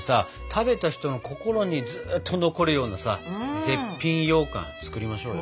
食べた人の心にずっと残るようなさ絶品ようかん作りましょうよ。